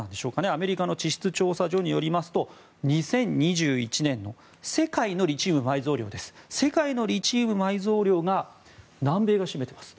アメリカの地質調査所によりますと２０２１年の世界のリチウムの埋蔵量が南米が占めています。